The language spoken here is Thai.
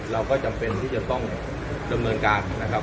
เราก็จำเป็นที่จะต้องดำเนินการนะครับ